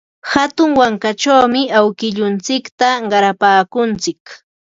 Hatun wankachawmi awkilluntsikta qarapaakuntsik.